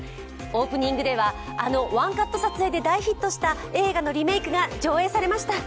オープニングではあのワンカット撮影で大ヒットした映画のリメークが上映されました。